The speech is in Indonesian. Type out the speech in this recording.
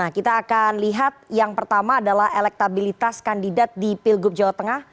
kita akan lihat yang pertama adalah elektabilitas kandidat di pilgub jawa tengah